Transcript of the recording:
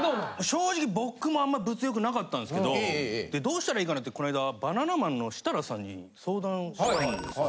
正直僕もあんまり物欲なかったんですけどどうしたらいいかなってこの間バナナマンの設楽さんに相談をしたんですよ。